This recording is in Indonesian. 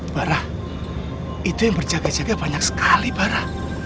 barah itu yang berjaga jaga banyak sekali para